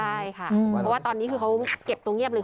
ใช่ค่ะเพราะว่าตอนนี้คือเขาเก็บตัวเงียบเลย